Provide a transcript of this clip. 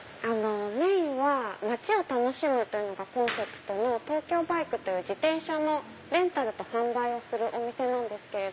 メインは「街を楽しむ」というのがコンセプトのＴＯＫＹＯＢＩＫＥという自転車のレンタルと販売をするお店です。